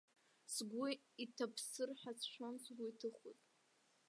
Сгәы иҭаԥсыр ҳәа сшәон сгәы иҭыхоз.